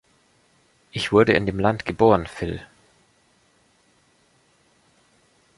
Ich wurde in dem Land geboren, Phil.